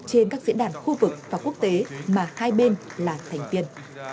trên các diễn đàn khu vực và quốc tế mà hai bên là thành viên